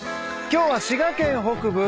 今日は滋賀県北部